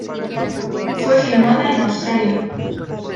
Fue filmada en Australia.